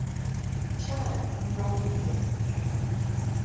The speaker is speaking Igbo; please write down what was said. Chaị! Ihe ọnwụ mere.